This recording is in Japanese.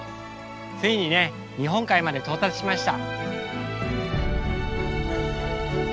ついに日本海まで到達しました。